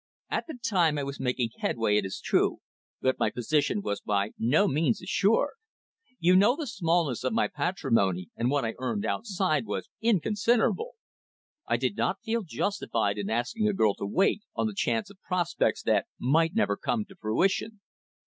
"At that time I was making headway, it is true, but my position was by no means assured. You know the smallness of my patrimony, and what I earned outside was inconsiderable. I did not feel justified in asking a girl to wait, on the chance of prospects that might never come to fruition."